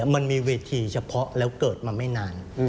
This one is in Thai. มันมีเวทีเฉพาะแล้วเกิดมาไม่นาน